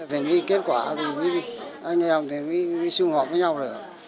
thì mới kết quả rồi anh nhà ông thì mới xung hợp với nhau được